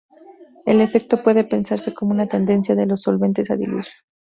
El efecto puede pensarse como una tendencia de los solventes a "diluir".